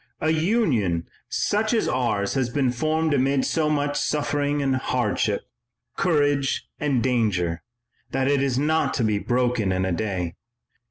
A Union such as ours has been formed amid so much suffering and hardship, courage and danger, that it is not to be broken in a day.